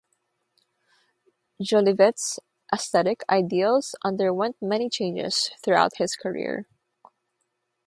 Jolivet's aesthetic ideals underwent many changes throughout his career.